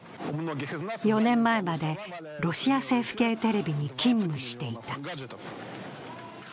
４年前まで、ロシア政府系テレビに勤務していた。